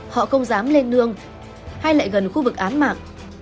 họ không dám lên nương hay lại gần khu vực án mạng